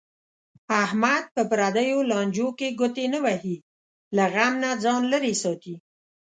احمد په پردیو لانجو کې ګوتې نه وهي. له غم نه ځان لرې ساتي.